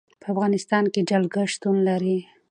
په افغانستان کې جلګه شتون لري.